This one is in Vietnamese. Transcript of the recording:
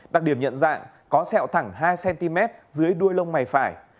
đặc điểm nhận dạng có sẹo thẳng hai cm dưới đuôi lông mày phải